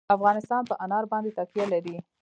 افغانستان په انار باندې تکیه لري.